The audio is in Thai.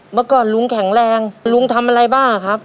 เมื่อก่อนลุงแข็งแรงลุงทำอะไรบ้างครับ